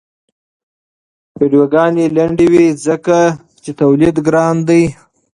ویډیوګانې لنډې وي ځکه چې تولید ګران دی.